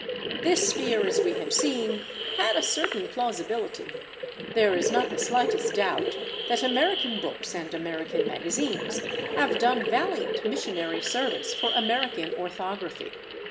This fear, as we have seen, had a certain plausibility; there is not the slightest doubt that American books and American magazines have done valiant missionary service for American orthography.